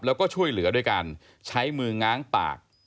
แล้วก็ช่วยเหลือด้วยการใช้มือง้างปาก